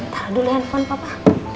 taruh dulu handphone papa